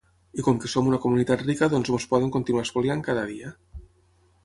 I com que som una comunitat rica doncs ens poden continuar espoliant cada dia.